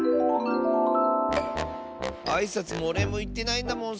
あいさつもおれいもいってないんだもん